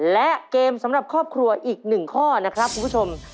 และเกมสำหรับครอบครัวอีก๑ข้อนะครับคุณผู้ชม